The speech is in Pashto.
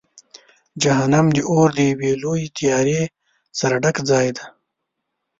جهنم د اور د یوې لویې تیارې سره ډک ځای دی.